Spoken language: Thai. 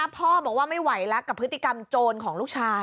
พ่อบอกว่าไม่ไหวแล้วกับพฤติกรรมโจรของลูกชาย